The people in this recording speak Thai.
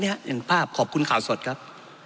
เห็นภาพขอบคุณข่าวสดครับ